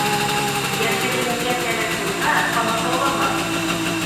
Йәшеренергә кәрәк булһа, ҡамасауламаҫ.